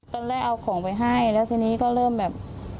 ตอนแรกเอาของไปให้แล้วทีนี้ก็เริ่มแบบ